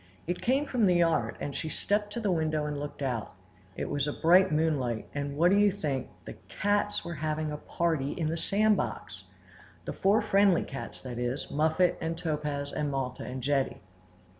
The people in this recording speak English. It came from the yard, and she stepped to the window and looked out. It was bright moonlight; and what do you think? The cats were having a party in the sand box! the four friendly cats, that is, Muffet and Topaz and Malta and Jetty.